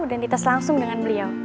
dan dites langsung dengan beliau